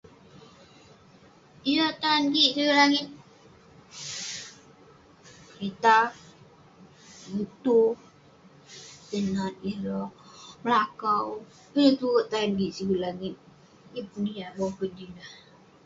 Yah tan kik siget langit, kerita, muto, tai menat ireh melakau..ineh tuwerk tan kik siget langit, yeng pun yah boken jin ineh..